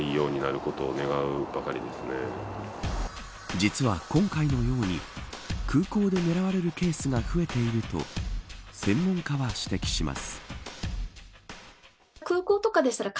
実は今回のように空港で狙われるケースが増えていると専門家は指摘します。